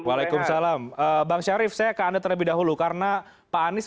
waalaikumsalam bang syarif saya ke anda terlebih dahulu karena pak anies